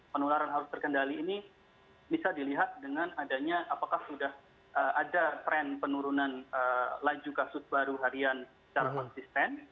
penularan harus terkendali ini bisa dilihat dengan adanya apakah sudah ada tren penurunan laju kasus baru harian secara konsisten